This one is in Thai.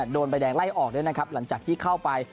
โดนใบแดงไล่ออกด้วยนะครับหลังจากที่เข้าไป